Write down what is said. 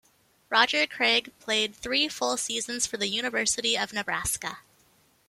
Roger Craig played three full seasons for the University of Nebraska.